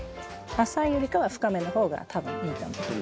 浅いよりかは深めの方が多分いいと思います。